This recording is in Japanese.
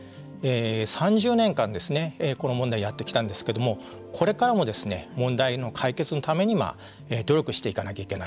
３０年間、この問題をやってきたんですけれどもこれからも問題の解決のために努力していかなきゃいけない。